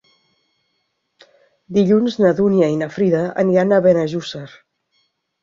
Dilluns na Dúnia i na Frida aniran a Benejússer.